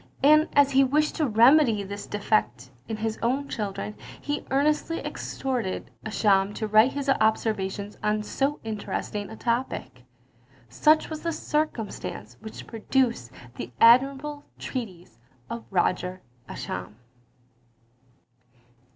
And as he wished to remedy this defect in his own children, he earnestly exhorted Ascham to write his observations on so interesting a topic. Such was the circumstance which produced the admirable treatise of Roger Ascham.